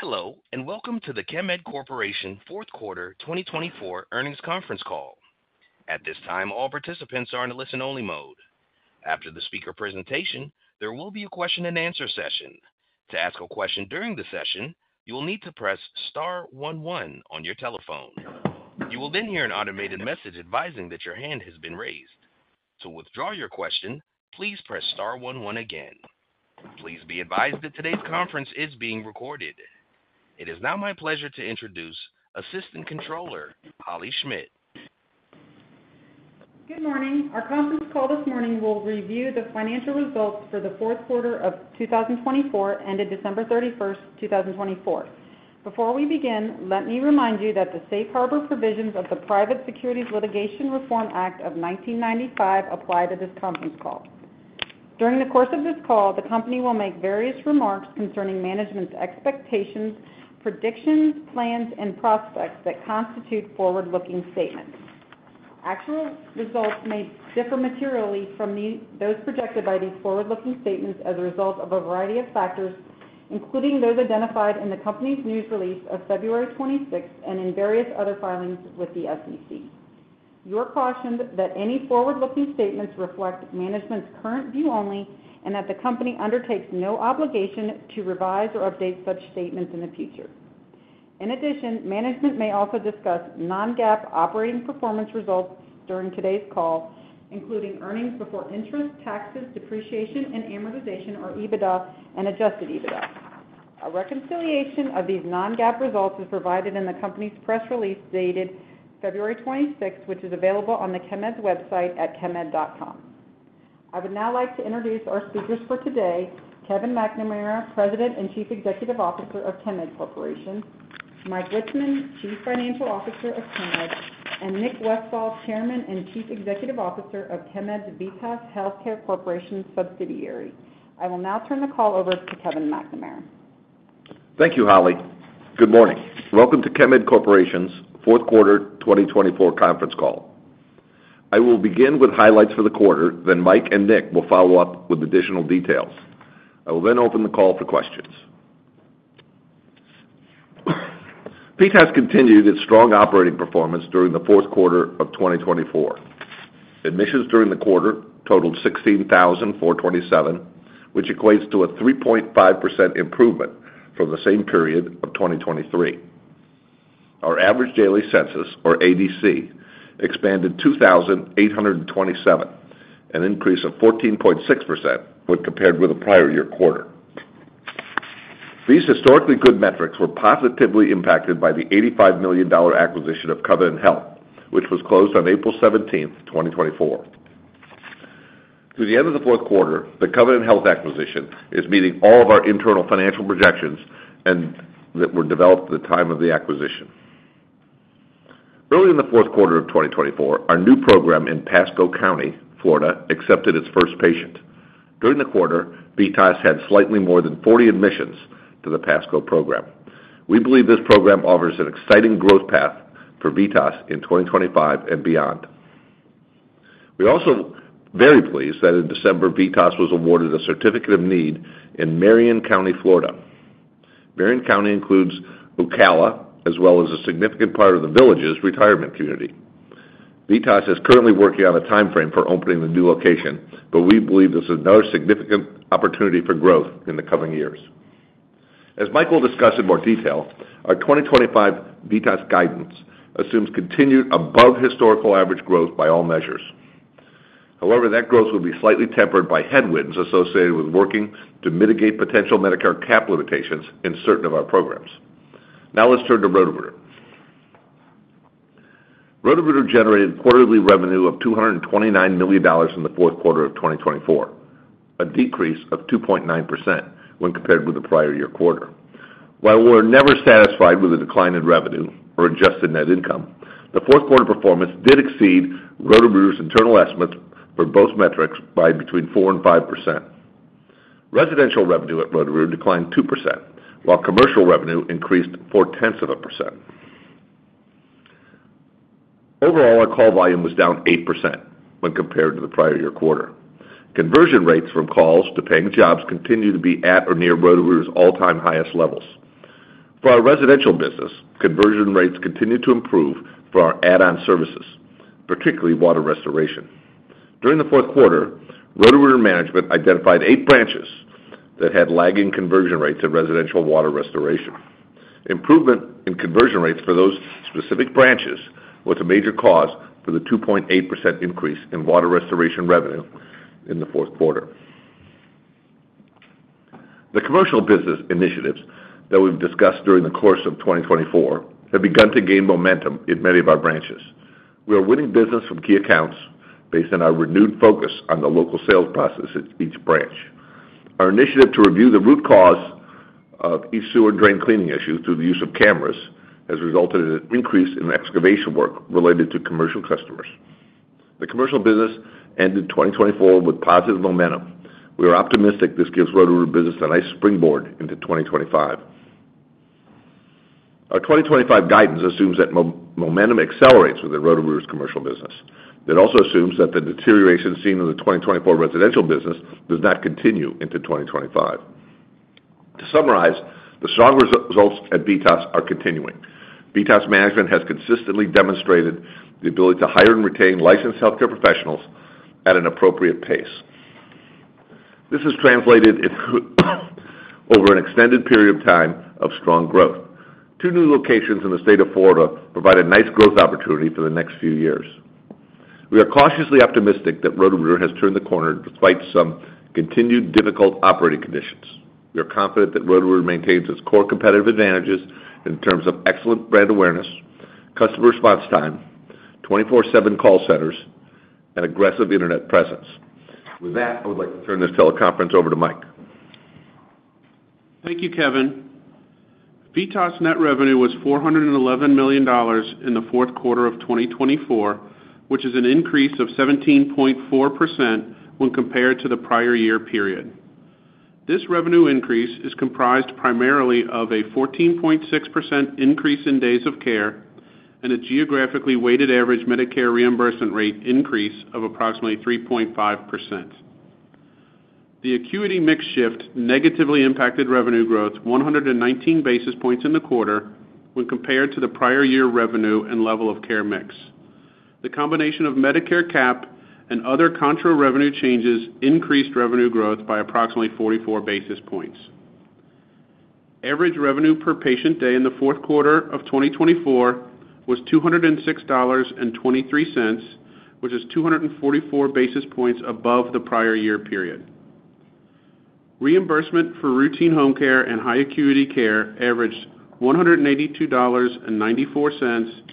Hello, and welcome to the Chemed Corporation Fourth Quarter 2024 earnings conference call. At this time, all participants are in a listen-only mode. After the speaker presentation, there will be a question-and-answer session. To ask a question during the session, you will need to press star one one on your telephone. You will then hear an automated message advising that your hand has been raised. To withdraw your question, please press star one one again. Please be advised that today's conference is being recorded. It is now my pleasure to introduce Assistant Controller Holley Schmidt. Good morning. Our conference call this morning will review the financial results for the fourth quarter of 2024 ended December 31st, 2024. Before we begin, let me remind you that the Safe Harbor provisions of the Private Securities Litigation Reform Act of 1995 apply to this conference call. During the course of this call, the company will make various remarks concerning management's expectations, predictions, plans, and prospects that constitute forward-looking statements. Actual results may differ materially from those projected by these forward-looking statements as a result of a variety of factors, including those identified in the company's news release of February 26th and in various other filings with the SEC. You are cautioned that any forward-looking statements reflect management's current view only and that the company undertakes no obligation to revise or update such statements in the future. In addition, management may also discuss non-GAAP operating performance results during today's call, including earnings before interest, taxes, depreciation, and amortization, or EBITDA and adjusted EBITDA. A reconciliation of these non-GAAP results is provided in the company's press release dated February 26th, which is available on Chemed's website at chemed.com. I would now like to introduce our speakers for today: Kevin McNamara, President and Chief Executive Officer of Chemed Corporation; Mike Witzeman, Chief Financial Officer of Chemed; and Nick Westfall, Chairman and Chief Executive Officer of Chemed's VITAS Healthcare Corporation subsidiary. I will now turn the call over to Kevin McNamara. Thank you, Holley. Good morning. Welcome to Chemed Corporation's Fourth Quarter 2024 conference call. I will begin with highlights for the quarter, then Mike and Nick will follow up with additional details. I will then open the call for questions. VITAS continued its strong operating performance during the fourth quarter of 2024. Admissions during the quarter totaled 16,427, which equates to a 3.5% improvement from the same period of 2023. Our average daily census, or ADC, expanded 2,827, an increase of 14.6% when compared with the prior year quarter. These historically good metrics were positively impacted by the $85 million acquisition of Covenant Health, which was closed on April 17th, 2024. To the end of the fourth quarter, the Covenant Health acquisition is meeting all of our internal financial projections that were developed at the time of the acquisition. Early in the fourth quarter of 2024, our new program in Pasco County, Florida, accepted its first patient. During the quarter, VITAS had slightly more than 40 admissions to the Pasco program. We believe this program offers an exciting growth path for VITAS in 2025 and beyond. We are also very pleased that in December, VITAS was awarded a Certificate of Need in Marion County, Florida. Marion County includes Ocala, as well as a significant part of The Villages' retirement community. VITAS is currently working on a timeframe for opening the new location, but we believe this is another significant opportunity for growth in the coming years. As Mike will discuss in more detail, our 2025 VITAS guidance assumes continued above-historical average growth by all measures. However, that growth will be slightly tempered by headwinds associated with working to mitigate potential Medicare cap limitations in certain of our programs. Now let's turn to Roto-Rooter. Roto-Rooter generated quarterly revenue of $229 million in the fourth quarter of 2024, a decrease of 2.9% when compared with the prior year quarter. While we're never satisfied with the decline in revenue or adjusted net income, the fourth quarter performance did exceed Roto-Rooter's internal estimates for both metrics by between 4% and 5%. Residential revenue at Roto-Rooter declined 2%, while commercial revenue increased 0.4%. Overall, our call volume was down 8% when compared to the prior year quarter. Conversion rates from calls to paying jobs continue to be at or near Roto-Rooter's all-time highest levels. For our residential business, conversion rates continue to improve for our add-on services, particularly water restoration. During the fourth quarter, Roto-Rooter management identified eight branches that had lagging conversion rates at residential water restoration. Improvement in conversion rates for those specific branches was a major cause for the 2.8% increase in water restoration revenue in the fourth quarter. The commercial business initiatives that we've discussed during the course of 2024 have begun to gain momentum in many of our branches. We are winning business from key accounts based on our renewed focus on the local sales process at each branch. Our initiative to review the root cause of sewer drain cleaning issues through the use of cameras has resulted in an increase in excavation work related to commercial customers. The commercial business ended 2024 with positive momentum. We are optimistic this gives Roto-Rooter business a nice springboard into 2025. Our 2025 guidance assumes that momentum accelerates within Roto-Rooter's commercial business. It also assumes that the deterioration seen in the 2024 residential business does not continue into 2025. To summarize, the strong results at VITAS are continuing. VITAS management has consistently demonstrated the ability to hire and retain licensed healthcare professionals at an appropriate pace. This has translated over an extended period of time of strong growth. Two new locations in the state of Florida provide a nice growth opportunity for the next few years. We are cautiously optimistic that Roto-Rooter has turned the corner despite some continued difficult operating conditions. We are confident that Roto-Rooter maintains its core competitive advantages in terms of excellent brand awareness, customer response time, 24/7 call centers, and aggressive internet presence. With that, I would like to turn this teleconference over to Mike. Thank you, Kevin. VITAS net revenue was $411 million in the fourth quarter of 2024, which is an increase of 17.4% when compared to the prior year period. This revenue increase is comprised primarily of a 14.6% increase in days of care and a geographically weighted average Medicare reimbursement rate increase of approximately 3.5%. The acuity mix shift negatively impacted revenue growth 119 basis points in the quarter when compared to the prior year revenue and level of care mix. The combination of Medicare cap and other contra-revenue changes increased revenue growth by approximately 44 basis points. Average revenue per patient day in the fourth quarter of 2024 was $206.23, which is 244 basis points above the prior year period. Reimbursement for routine home care and high acuity care averaged $182.94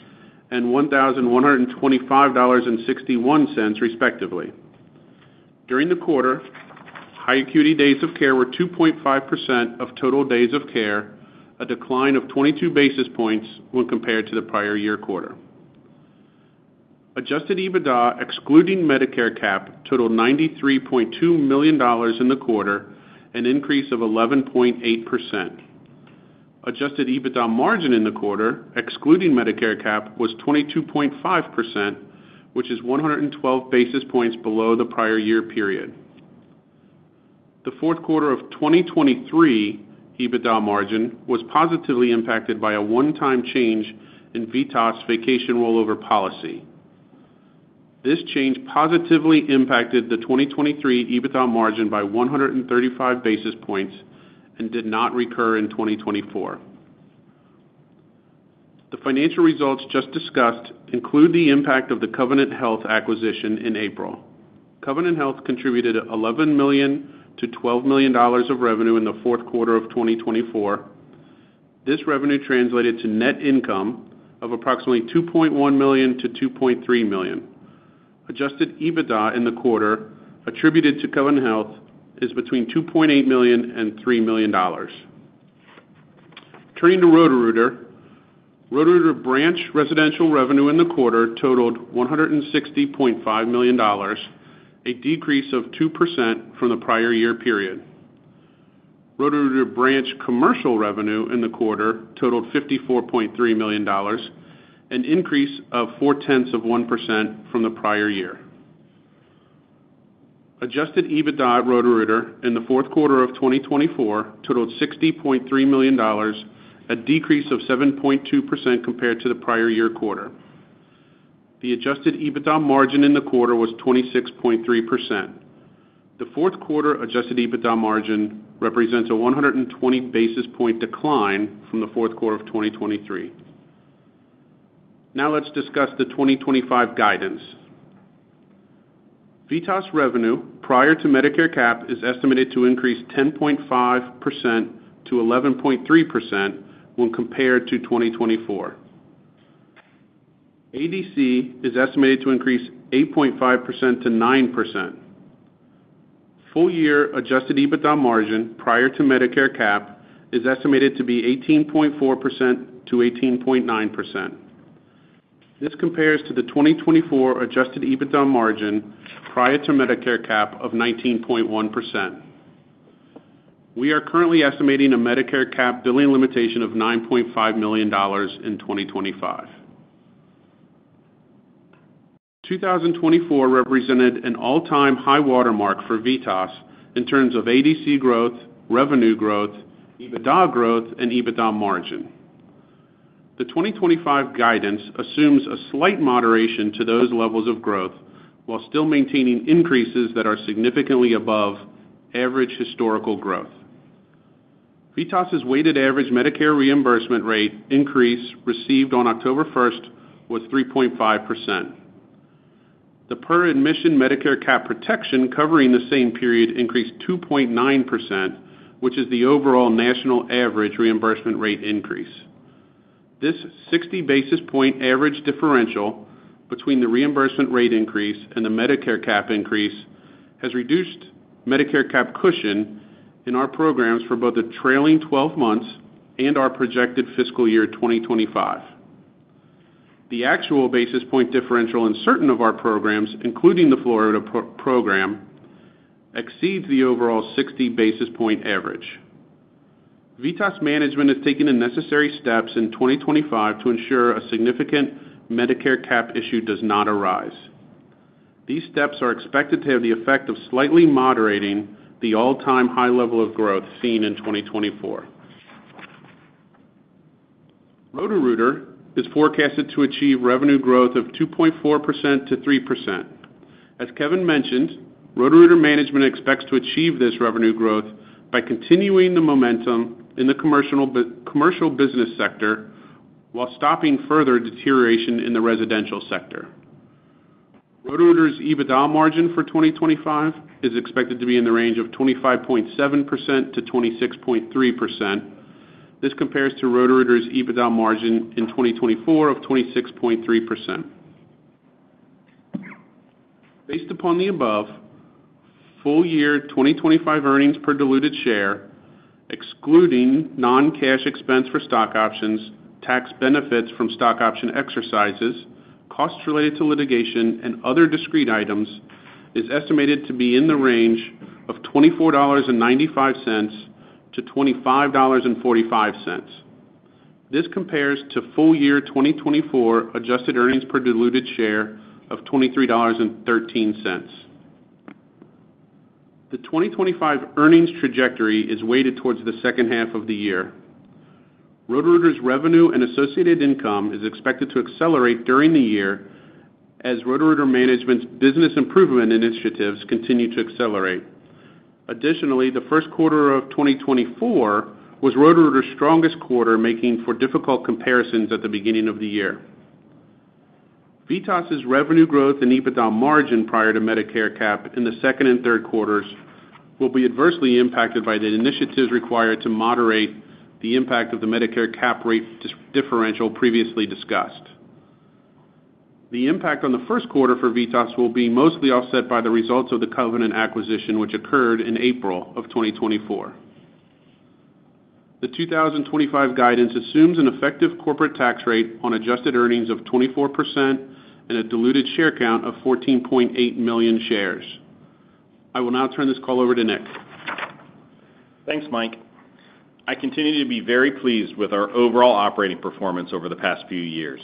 and $1,125.61, respectively. During the quarter, high acuity days of care were 2.5% of total days of care, a decline of 22 basis points when compared to the prior year quarter. Adjusted EBITDA excluding Medicare cap totaled $93.2 million in the quarter, an increase of 11.8%. Adjusted EBITDA margin in the quarter excluding Medicare cap was 22.5%, which is 112 basis points below the prior year period. The fourth quarter of 2023 EBITDA margin was positively impacted by a one-time change in VITAS vacation rollover policy. This change positively impacted the 2023 EBITDA margin by 135 basis points and did not recur in 2024. The financial results just discussed include the impact of the Covenant Health acquisition in April. Covenant Health contributed $11 million-$12 million of revenue in the fourth quarter of 2024. This revenue translated to net income of approximately $2.1 million-$2.3 million. Adjusted EBITDA in the quarter attributed to Covenant Health is between $2.8 million and $3 million. Turning to Roto-Rooter, Roto-Rooter branch residential revenue in the quarter totaled $160.5 million, a decrease of 2% from the prior year period. Roto-Rooter branch commercial revenue in the quarter totaled $54.3 million, an increase of 0.4% from the prior year. Adjusted EBITDA at Roto-Rooter in the fourth quarter of 2024 totaled $60.3 million, a decrease of 7.2% compared to the prior year quarter. The adjusted EBITDA margin in the quarter was 26.3%. The fourth quarter adjusted EBITDA margin represents a 120 basis points decline from the fourth quarter of 2023. Now let's discuss the 2025 guidance. VITAS revenue prior to Medicare cap is estimated to increase 10.5% to 11.3% when compared to 2024. ADC is estimated to increase 8.5% to 9%. Full year Adjusted EBITDA margin prior to Medicare cap is estimated to be 18.4%-18.9%. This compares to the 2024 Adjusted EBITDA margin prior to Medicare cap of 19.1%. We are currently estimating a Medicare cap billing limitation of $9.5 million in 2025. 2024 represented an all-time high watermark for VITAS in terms of ADC growth, revenue growth, EBITDA growth, and EBITDA margin. The 2025 guidance assumes a slight moderation to those levels of growth while still maintaining increases that are significantly above average historical growth. VITAS' weighted average Medicare reimbursement rate increase received on October 1st was 3.5%. The per-admission Medicare cap protection covering the same period increased 2.9%, which is the overall national average reimbursement rate increase. This 60 basis point average differential between the reimbursement rate increase and the Medicare cap increase has reduced Medicare cap cushion in our programs for both the trailing 12 months and our projected fiscal year 2025. The actual basis point differential in certain of our programs, including the Florida program, exceeds the overall 60 basis point average. VITAS management has taken the necessary steps in 2025 to ensure a significant Medicare cap issue does not arise. These steps are expected to have the effect of slightly moderating the all-time high level of growth seen in 2024. Roto-Rooter is forecasted to achieve revenue growth of 2.4%-3%. As Kevin mentioned, Roto-Rooter management expects to achieve this revenue growth by continuing the momentum in the commercial business sector while stopping further deterioration in the residential sector. Roto-Rooter's EBITDA margin for 2025 is expected to be in the range of 25.7%-26.3%. This compares to Roto-Rooter's EBITDA margin in 2024 of 26.3%. Based upon the above, full year 2025 earnings per diluted share, excluding non-cash expense for stock options, tax benefits from stock option exercises, costs related to litigation, and other discrete items, is estimated to be in the range of $24.95-$25.45. This compares to full year 2024 adjusted earnings per diluted share of $23.13. The 2025 earnings trajectory is weighted towards the second half of the year. Roto-Rooter's revenue and associated income is expected to accelerate during the year as Roto-Rooter management's business improvement initiatives continue to accelerate. Additionally, the first quarter of 2024 was Roto-Rooter's strongest quarter, making for difficult comparisons at the beginning of the year. VITAS' revenue growth and EBITDA margin prior to Medicare cap in the second and third quarters will be adversely impacted by the initiatives required to moderate the impact of the Medicare cap rate differential previously discussed. The impact on the first quarter for VITAS will be mostly offset by the results of the Covenant acquisition, which occurred in April of 2024. The 2025 guidance assumes an effective corporate tax rate on adjusted earnings of 24% and a diluted share count of 14.8 million shares. I will now turn this call over to Nick. Thanks, Mike. I continue to be very pleased with our overall operating performance over the past few years.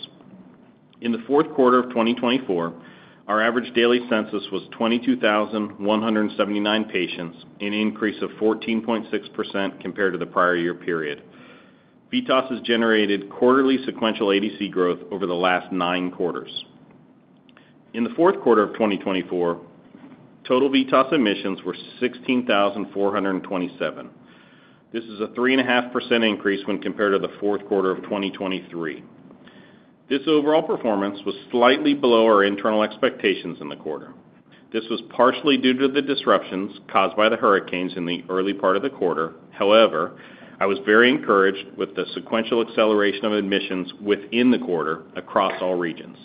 In the fourth quarter of 2024, our average daily census was 22,179 patients, an increase of 14.6% compared to the prior year period. VITAS has generated quarterly sequential ADC growth over the last nine quarters. In the fourth quarter of 2024, total VITAS admissions were 16,427. This is a 3.5% increase when compared to the fourth quarter of 2023. This overall performance was slightly below our internal expectations in the quarter. This was partially due to the disruptions caused by the hurricanes in the early part of the quarter. However, I was very encouraged with the sequential acceleration of admissions within the quarter across all regions.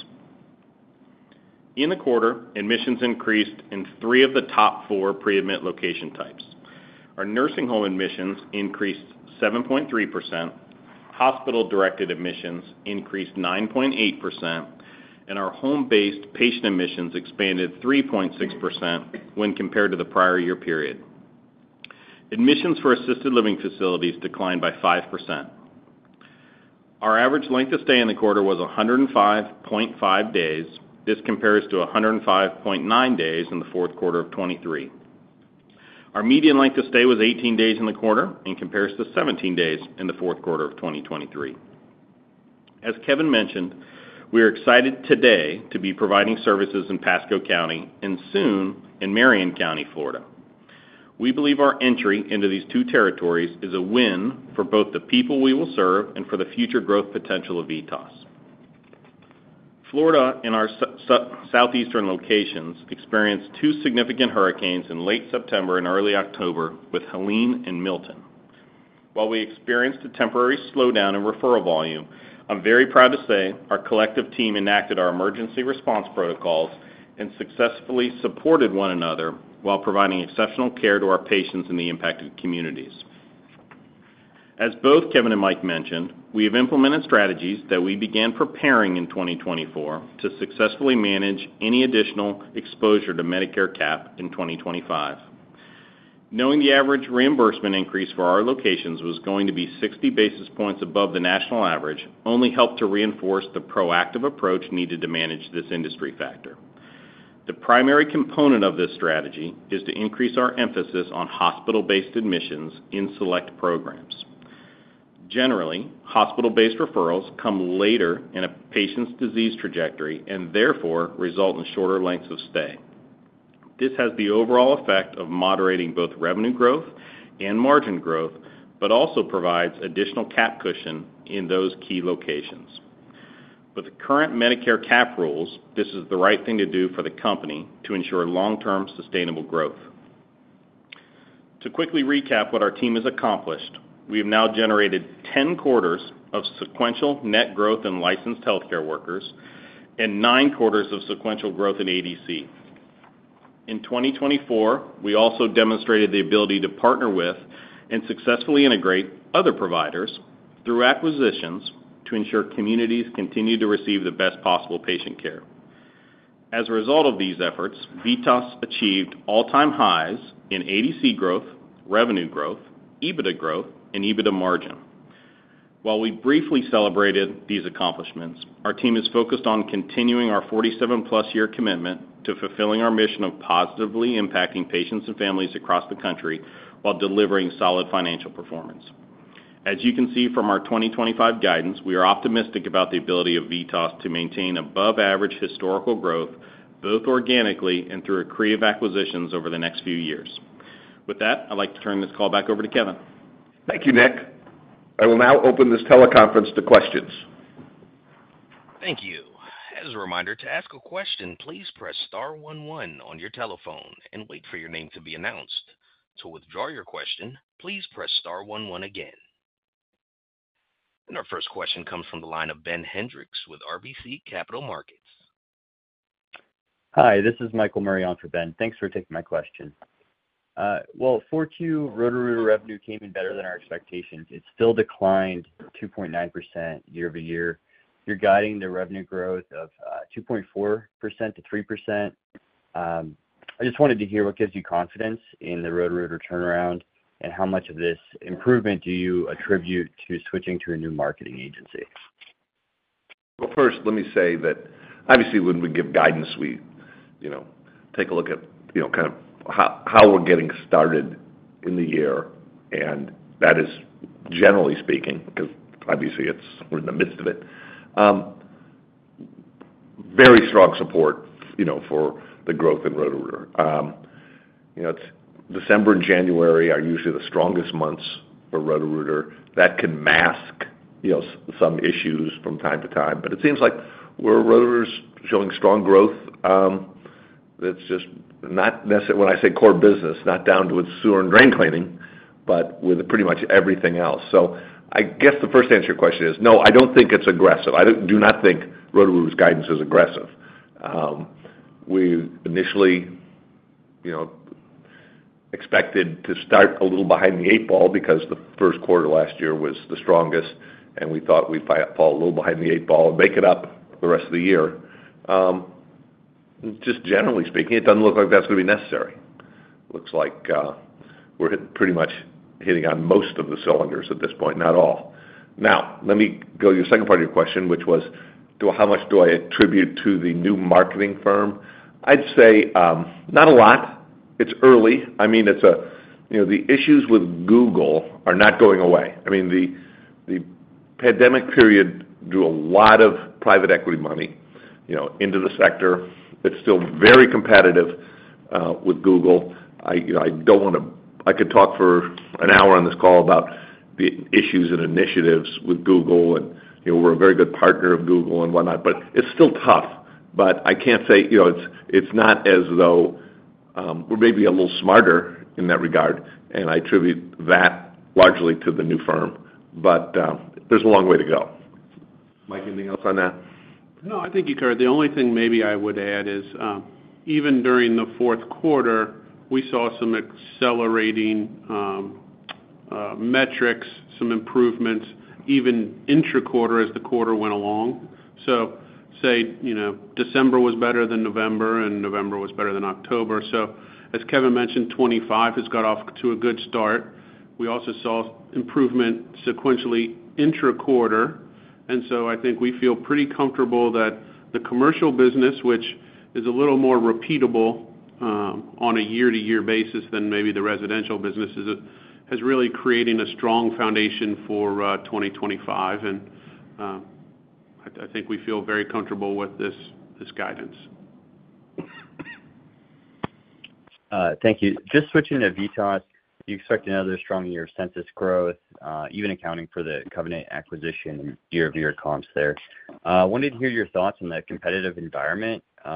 In the quarter, admissions increased in three of the top four pre-admit location types. Our nursing home admissions increased 7.3%, hospital-directed admissions increased 9.8%, and our home-based patient admissions expanded 3.6% when compared to the prior year period. Admissions for assisted living facilities declined by 5%. Our average length of stay in the quarter was 105.5 days. This compares to 105.9 days in the fourth quarter of 2023. Our median length of stay was 18 days in the quarter and compares to 17 days in the fourth quarter of 2023. As Kevin mentioned, we are excited today to be providing services in Pasco County and soon in Marion County, Florida. We believe our entry into these two territories is a win for both the people we will serve and for the future growth potential of VITAS. Florida and our southeastern locations experienced two significant hurricanes in late September and early October with Helene and Milton. While we experienced a temporary slowdown in referral volume, I'm very proud to say our collective team enacted our emergency response protocols and successfully supported one another while providing exceptional care to our patients and the impacted communities. As both Kevin and Mike mentioned, we have implemented strategies that we began preparing in 2024 to successfully manage any additional exposure to Medicare cap in 2025. Knowing the average reimbursement increase for our locations was going to be 60 basis points above the national average only helped to reinforce the proactive approach needed to manage this industry factor. The primary component of this strategy is to increase our emphasis on hospital-based admissions in select programs. Generally, hospital-based referrals come later in a patient's disease trajectory and therefore result in shorter lengths of stay. This has the overall effect of moderating both revenue growth and margin growth, but also provides additional cap cushion in those key locations. With the current Medicare cap rules, this is the right thing to do for the company to ensure long-term sustainable growth. To quickly recap what our team has accomplished, we have now generated 10 quarters of sequential net growth in licensed healthcare workers and nine quarters of sequential growth in ADC. In 2024, we also demonstrated the ability to partner with and successfully integrate other providers through acquisitions to ensure communities continue to receive the best possible patient care. As a result of these efforts, VITAS achieved all-time highs in ADC growth, revenue growth, EBITDA growth, and EBITDA margin. While we briefly celebrated these accomplishments, our team is focused on continuing our 47-plus year commitment to fulfilling our mission of positively impacting patients and families across the country while delivering solid financial performance. As you can see from our 2025 guidance, we are optimistic about the ability of VITAS to maintain above-average historical growth both organically and through accretive acquisitions over the next few years. With that, I'd like to turn this call back over to Kevin. Thank you, Nick. I will now open this teleconference to questions. Thank you. As a reminder, to ask a question, please press star one one on your telephone and wait for your name to be announced. To withdraw your question, please press star one one again. Our first question comes from the line of Ben Hendrix with RBC Capital Markets. Hi, this is Michael Murray for Ben. Thanks for taking my question. For Q, Roto-Rooter revenue came in better than our expectations. It still declined 2.9% year-over-year. You're guiding the revenue growth of 2.4%-3%. I just wanted to hear what gives you confidence in the Roto-Rooter turnaround and how much of this improvement do you attribute to switching to a new marketing agency? First, let me say that obviously, when we give guidance, we take a look at kind of how we're getting started in the year, and that is, generally speaking, because obviously, we're in the midst of it, very strong support for the growth in Roto-Rooter. December and January are usually the strongest months for Roto-Rooter. That can mask some issues from time to time, but it seems like we're showing strong growth. It's just not necessarily when I say core business, not down to its sewer and drain cleaning, but with pretty much everything else, so I guess the first answer to your question is no, I don't think it's aggressive. I do not think Roto-Rooter's guidance is aggressive. We initially expected to start a little behind the eight ball because the first quarter last year was the strongest, and we thought we'd fall a little behind the eight ball and make it up the rest of the year. Just generally speaking, it doesn't look like that's going to be necessary. Looks like we're pretty much hitting on most of the cylinders at this point, not all. Now, let me go to the second part of your question, which was, how much do I attribute to the new marketing firm? I'd say not a lot. It's early. I mean, the issues with Google are not going away. I mean, the pandemic period drew a lot of private equity money into the sector. It's still very competitive with Google. I don't want to. I could talk for an hour on this call about the issues and initiatives with Google, and we're a very good partner of Google and whatnot, but it's still tough. But I can't say it's not as though we're maybe a little smarter in that regard. And I attribute that largely to the new firm. But there's a long way to go. Mike, anything else on that? No, I think you covered the only thing maybe I would add is even during the fourth quarter, we saw some accelerating metrics, some improvements, even intra-quarter as the quarter went along. So say December was better than November, and November was better than October. So as Kevin mentioned, 2025 has got off to a good start. We also saw improvement sequentially intra-quarter. And so I think we feel pretty comfortable that the commercial business, which is a little more repeatable on a year-to-year basis than maybe the residential businesses, is really creating a strong foundation for 2025. And I think we feel very comfortable with this guidance. Thank you. Just switching to VITAS, you expect another strong year of census growth, even accounting for the Covenant acquisition year-to-year comps there. I wanted to hear your thoughts on the competitive environment. Do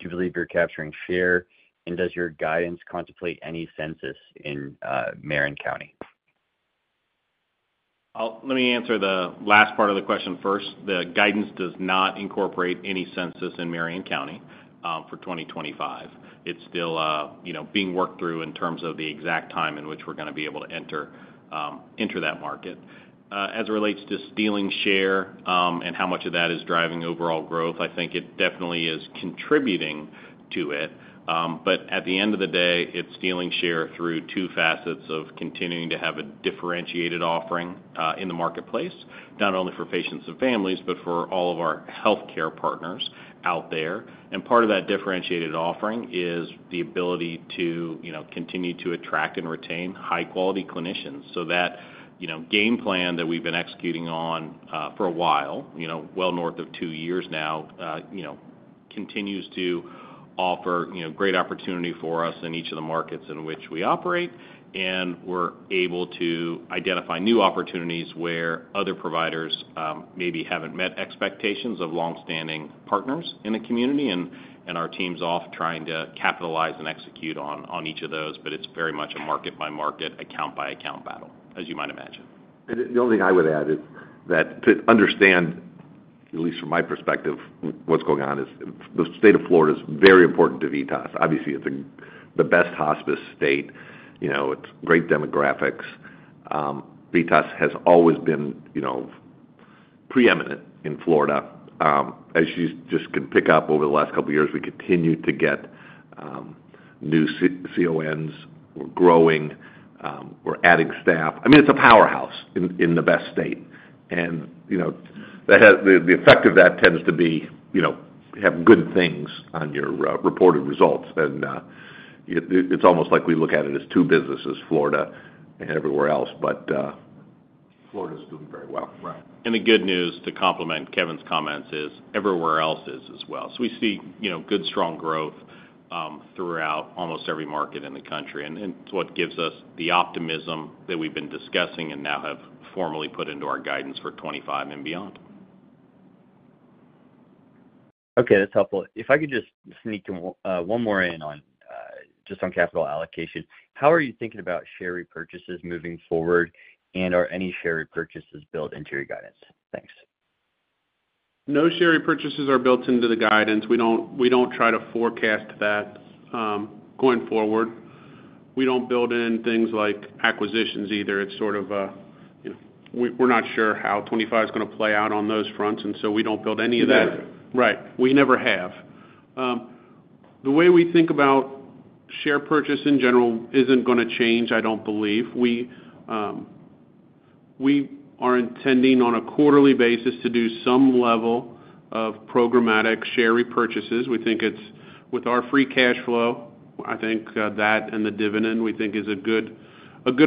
you believe you're capturing share? And does your guidance contemplate any census in Marion County? Let me answer the last part of the question first. The guidance does not incorporate any census in Marion County for 2025. It's still being worked through in terms of the exact time in which we're going to be able to enter that market. As it relates to stealing share and how much of that is driving overall growth, I think it definitely is contributing to it. But at the end of the day, it's stealing share through two facets of continuing to have a differentiated offering in the marketplace, not only for patients and families, but for all of our healthcare partners out there. Part of that differentiated offering is the ability to continue to attract and retain high-quality clinicians so that game plan that we've been executing on for a while, well north of two years now, continues to offer great opportunity for us in each of the markets in which we operate. We're able to identify new opportunities where other providers maybe haven't met expectations of long-standing partners in the community. Our team's off trying to capitalize and execute on each of those. It's very much a market-by-market, account-by-account battle, as you might imagine. The only thing I would add is that to understand, at least from my perspective, what's going on is the state of Florida is very important to VITAS. Obviously, it's the best hospice state. It's great demographics. VITAS has always been preeminent in Florida. As you just can pick up over the last couple of years, we continue to get new CONs. We're growing. We're adding staff. I mean, it's a powerhouse in the best state. And the effect of that tends to be have good things on your reported results. And it's almost like we look at it as two businesses, Florida and everywhere else. But Florida is doing very well. Right, and the good news to complement Kevin's comments is everywhere else is as well, so we see good, strong growth throughout almost every market in the country, and it's what gives us the optimism that we've been discussing and now have formally put into our guidance for 2025 and beyond. Okay. That's helpful. If I could just sneak one more in on just on capital allocation, how are you thinking about share repurchases moving forward? And are any share repurchases built into your guidance? Thanks. No share repurchases are built into the guidance. We don't try to forecast that going forward. We don't build in things like acquisitions either. It's sort of we're not sure how 2025 is going to play out on those fronts, and so we don't build any of that. We never have. Right. We never have. The way we think about share purchase in general isn't going to change, I don't believe. We are intending on a quarterly basis to do some level of programmatic share repurchases. We think it's with our free cash flow. I think that and the dividend we think is a good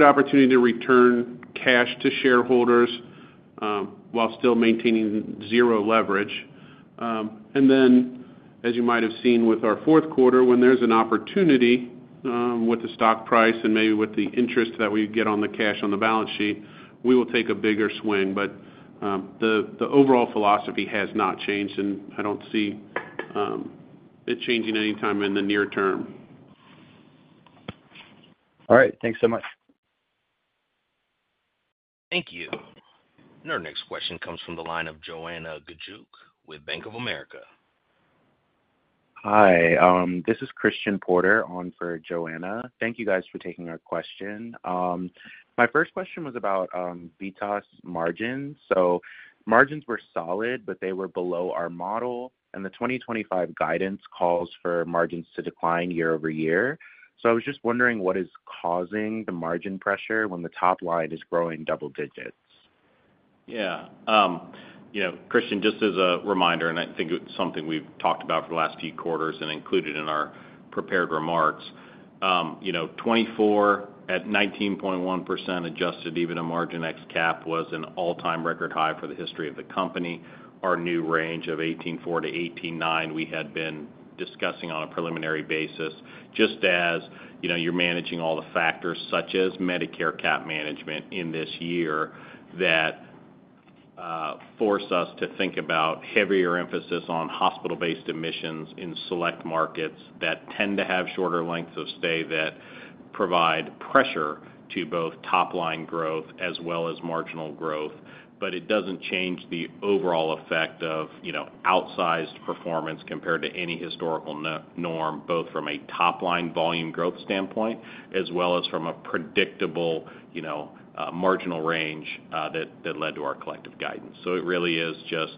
opportunity to return cash to shareholders while still maintaining zero leverage. And then, as you might have seen with our fourth quarter, when there's an opportunity with the stock price and maybe with the interest that we get on the cash on the balance sheet, we will take a bigger swing. But the overall philosophy has not changed. And I don't see it changing anytime in the near term. All right. Thanks so much. Thank you. And our next question comes from the line of Joanna Gajuk with Bank of America. Hi. This is Christian Porter on for Joanna. Thank you guys for taking our question. My first question was about VITAS' margins. So margins were solid, but they were below our model. And the 2025 guidance calls for margins to decline year-over-year. So I was just wondering what is causing the margin pressure when the top line is growing double digits? Yeah. Christian, just as a reminder, and I think it's something we've talked about for the last few quarters and included in our prepared remarks, 2024 at 19.1% Adjusted EBITDA margin ex cap was an all-time record high for the history of the company. Our new range of 18.4%-18.9%, we had been discussing on a preliminary basis. Just as you're managing all the factors such as Medicare cap management in this year that force us to think about heavier emphasis on hospital-based admissions in select markets that tend to have shorter lengths of stay that provide pressure to both top-line growth as well as marginal growth. But it doesn't change the overall effect of outsized performance compared to any historical norm, both from a top-line volume growth standpoint as well as from a predictable marginal range that led to our collective guidance. So it really is just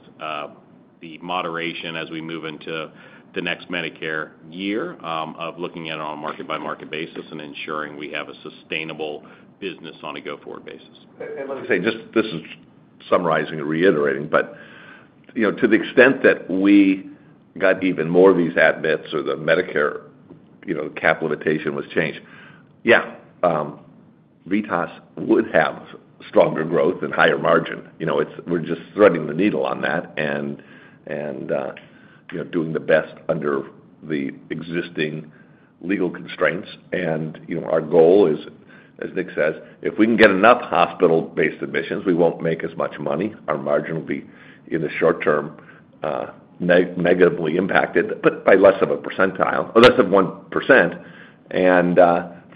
the moderation as we move into the next Medicare year of looking at it on a market-by-market basis and ensuring we have a sustainable business on a go-forward basis. Let me say, just this is summarizing and reiterating, but to the extent that we got even more of these admits or the Medicare cap limitation was changed, yeah, VITAS would have stronger growth and higher margin. We're just threading the needle on that and doing the best under the existing legal constraints. Our goal is, as Nick says, if we can get enough hospital-based admissions, we won't make as much money. Our margin will be, in the short term, negatively impacted, but by less of a percentile or less of 1%.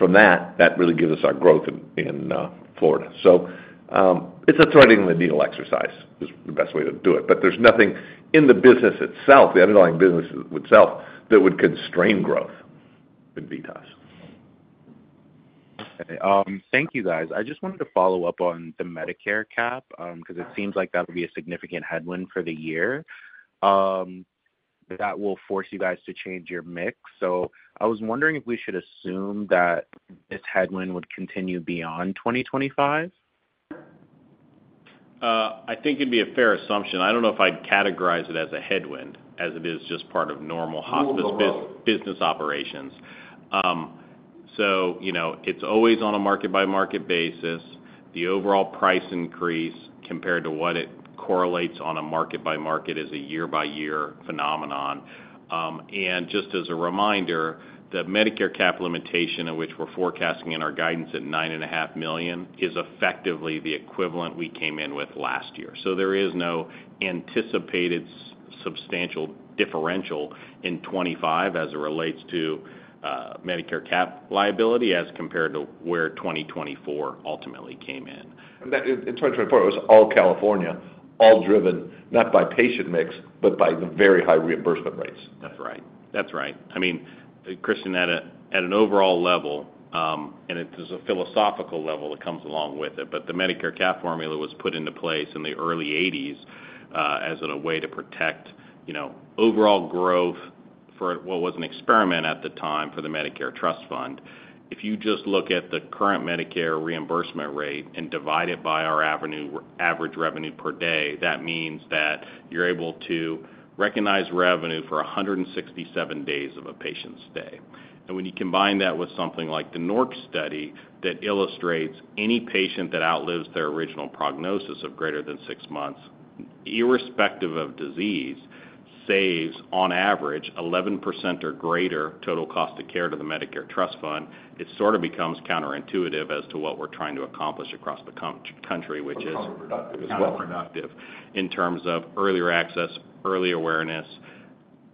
From that, that really gives us our growth in Florida. It's a threading the needle exercise is the best way to do it. There's nothing in the business itself, the underlying business itself, that would constrain growth in VITAS. Okay. Thank you, guys. I just wanted to follow up on the Medicare cap because it seems like that will be a significant headwind for the year that will force you guys to change your mix. So I was wondering if we should assume that this headwind would continue beyond 2025? I think it'd be a fair assumption. I don't know if I'd categorize it as a headwind as it is just part of normal hospital business operations. So it's always on a market-by-market basis. The overall price increase compared to what it correlates on a market-by-market is a year-by-year phenomenon. And just as a reminder, the Medicare cap limitation in which we're forecasting in our guidance at $9.5 million is effectively the equivalent we came in with last year. So there is no anticipated substantial differential in 2025 as it relates to Medicare cap liability as compared to where 2024 ultimately came in. In 2024, it was all California, all driven not by patient mix, but by the very high reimbursement rates. That's right. That's right. I mean, Christian, at an overall level, and it's a philosophical level that comes along with it, but the Medicare cap formula was put into place in the early 1980s as a way to protect overall growth for what was an experiment at the time for the Medicare Trust Fund. If you just look at the current Medicare reimbursement rate and divide it by our average revenue per day, that means that you're able to recognize revenue for 167 days of a patient's stay. And when you combine that with something like the NORC study that illustrates any patient that outlives their original prognosis of greater than six months, irrespective of disease, saves on average 11% or greater total cost of care to the Medicare Trust Fund, it sort of becomes counterintuitive as to what we're trying to accomplish across the country, which is. Not cost productive as well. Not productive in terms of earlier access, early awareness,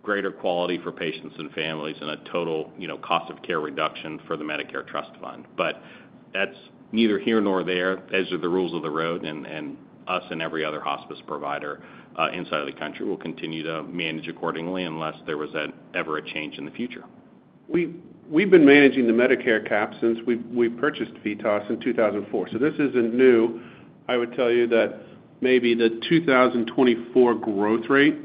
greater quality for patients and families, and a total cost of care reduction for the Medicare Trust Fund. But that's neither here nor there. These are the rules of the road. And us and every other hospice provider inside of the country will continue to manage accordingly unless there was ever a change in the future. We've been managing the Medicare cap since we purchased VITAS in 2004, so this isn't new. I would tell you that maybe the 2024 growth rate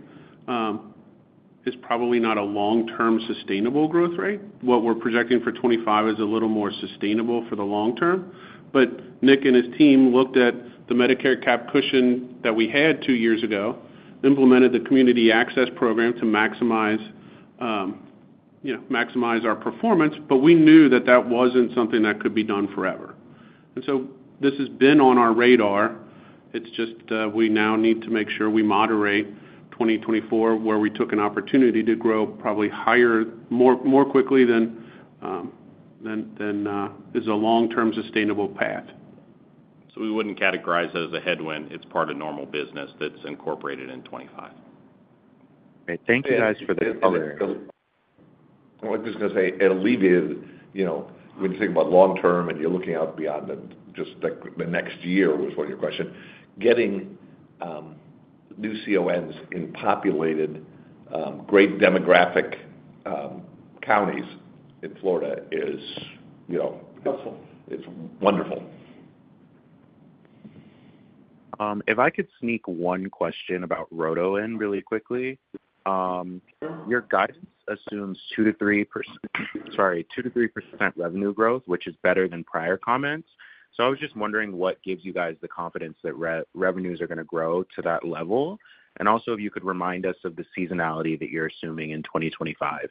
is probably not a long-term sustainable growth rate. What we're projecting for 2025 is a little more sustainable for the long term, but Nick and his team looked at the Medicare cap cushion that we had two years ago, implemented the community access program to maximize our performance, but we knew that that wasn't something that could be done forever, and so this has been on our radar. It's just we now need to make sure we moderate 2024, where we took an opportunity to grow probably more quickly than is a long-term sustainable path. So we wouldn't categorize it as a headwind. It's part of normal business that's incorporated in 2025. Okay. Thank you, guys, for the. I was just going to say it alleviated when you think about long-term and you're looking out beyond just the next year was what your question. Getting new CONs in populated, great demographic counties in Florida is. Helpful. It's wonderful. If I could sneak one question about Roto in really quickly. Your guidance assumes 2%-3%, sorry, 2%-3% revenue growth, which is better than prior comments. So I was just wondering what gives you guys the confidence that revenues are going to grow to that level? And also, if you could remind us of the seasonality that you're assuming in 2025.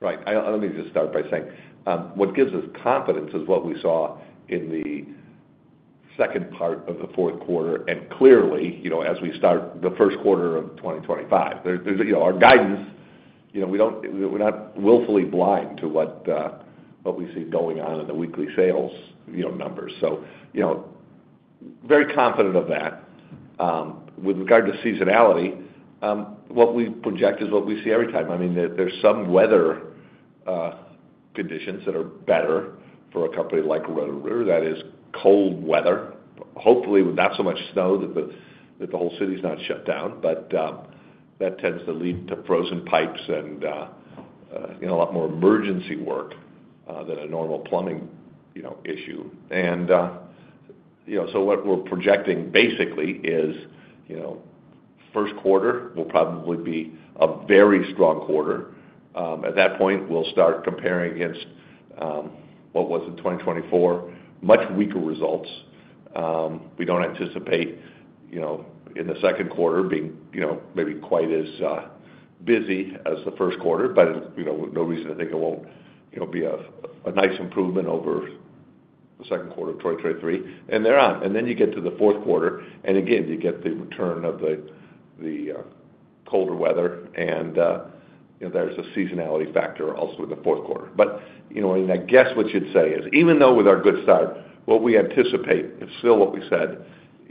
Right. Let me just start by saying what gives us confidence is what we saw in the second part of the fourth quarter and clearly as we start the first quarter of 2025. Our guidance, we're not willfully blind to what we see going on in the weekly sales numbers. So very confident of that. With regard to seasonality, what we project is what we see every time. I mean, there's some weather conditions that are better for a company like Roto-Rooter that is cold weather, hopefully with not so much snow that the whole city is not shut down. But that tends to lead to frozen pipes and a lot more emergency work than a normal plumbing issue, and so what we're projecting basically is first quarter will probably be a very strong quarter. At that point, we'll start comparing against what was in 2024, much weaker results. We don't anticipate in the second quarter being maybe quite as busy as the first quarter, but no reason to think it won't be a nice improvement over the second quarter of 2023. Then you get to the fourth quarter. Again, you get the return of the colder weather. There's a seasonality factor also in the fourth quarter. I guess what you'd say is, even though with our good start, what we anticipate is still what we said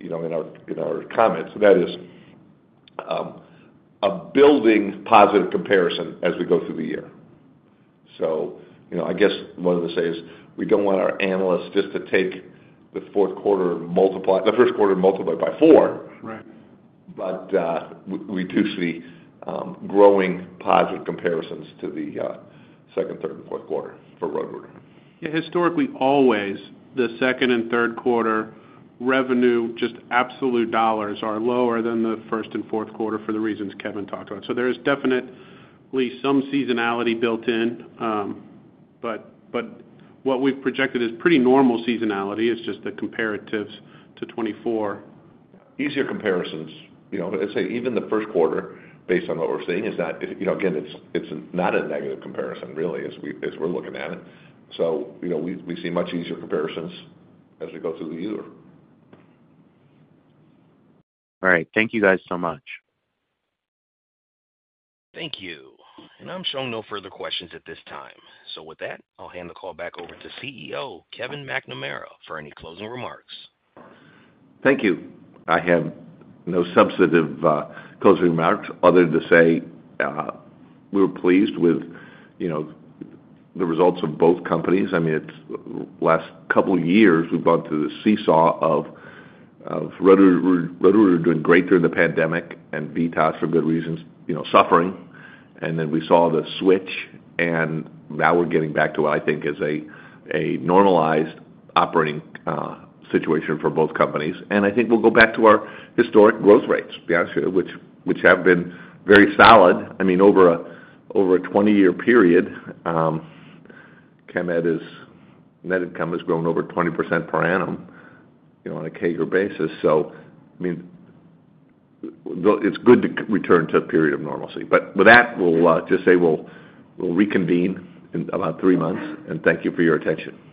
in our comments, that is a building positive comparison as we go through the year. I guess what I'm going to say is we don't want our analysts just to take the fourth quarter multiply the first quarter multiply by four. We do see growing positive comparisons to the second, third, and fourth quarter for Roto-Rooter. Yeah. Historically, always the second and third quarter revenue, just absolute dollars, are lower than the first and fourth quarter for the reasons Kevin talked about. So there is definitely some seasonality built in. But what we've projected is pretty normal seasonality. It's just the comparatives to 2024. Easier comparisons. I'd say even the first quarter, based on what we're seeing, is that, again, it's not a negative comparison really as we're looking at it. So we see much easier comparisons as we go through the year. All right. Thank you guys so much. Thank you. And I'm showing no further questions at this time. So with that, I'll hand the call back over to CEO Kevin McNamara for any closing remarks. Thank you. I have no substantive closing remarks other than to say we're pleased with the results of both companies. I mean, it's the last couple of years we've gone through the seesaw of Roto-Rooter doing great during the pandemic and VITAS for good reasons suffering, and then we saw the switch, and now we're getting back to what I think is a normalized operating situation for both companies. I think we'll go back to our historic growth rates, which have been very solid. I mean, over a 20-year period, Chemed income has grown over 20% per annum on a CAGR basis. I mean, it's good to return to a period of normalcy, but with that, we'll just say we'll reconvene in about three months. Thank you for your attention.